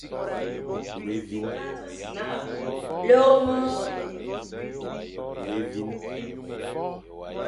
Lere mor.